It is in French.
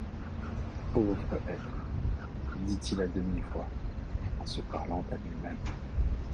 Pauvre être, dit-il à demi-voix et se parlant à lui-même